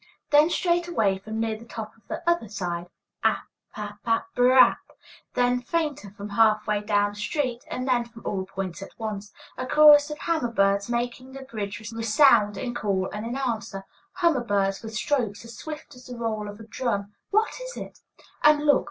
Then straightway from near the top on the other side, ap ap ap br r r r ap ap ap. Then fainter from half way down the street, and then from all points at once, a chorus of hammer birds making the bridge resound in call and in answer, hammer birds with strokes as swift as the roll of a drum. What is it? And look!